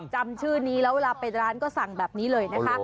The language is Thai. จำชื่อนี้แล้วเวลาไปร้านก็สั่งแบบนี้เลยนะคะ